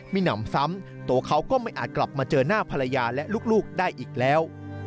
หนำซ้ำตัวเขาก็ไม่อาจกลับมาเจอหน้าภรรยาและลูกได้อีกแล้ว